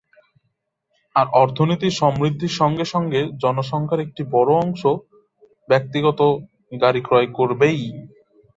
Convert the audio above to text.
আর অর্থনীতির সমৃদ্ধির সঙ্গে সঙ্গে জনসংখ্যার একটি অংশ ব্যক্তিগত গাড়ি ক্রয় করবেই।